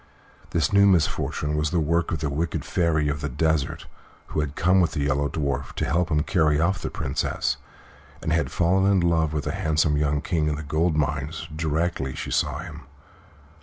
This new misfortune was the work of the wicked Fairy of the Desert, who had come with the Yellow Dwarf to help him carry off the Princess, and had fallen in love with the handsome young King of the Gold Mines directly she saw him.